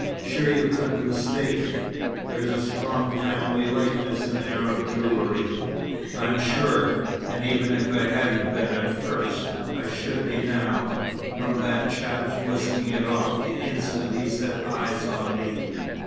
"Sure you couldn't mistake it? There's a strong family likeness in Arab jewellery." "I'm sure. And even if I hadn't been at first, I should be now, from that chap's whisking it off the instant he set eyes on me.